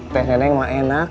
teh neneng gak enak